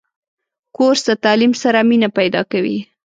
کورس د تعلیم سره مینه پیدا کوي.